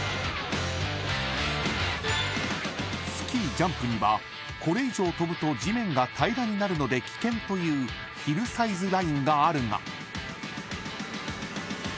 ［スキージャンプにはこれ以上飛ぶと地面が平らになるので危険というヒルサイズラインがあるが］